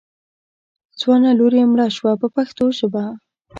ځوانه لور یې مړه شوه په پښتو ژبه.